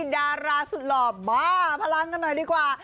ดาราสุดหล่อบ้าพลังกันหน่อยดีกว่า